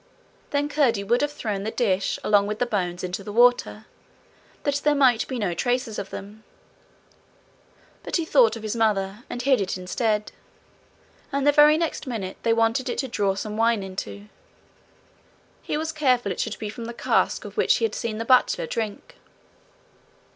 Then Curdie would have thrown the dish along with the bones into the water, that there might be no traces of them; but he thought of his mother, and hid it instead; and the very next minute they wanted it to draw some wine into. He was careful it should be from the cask of which he had seen the butler drink.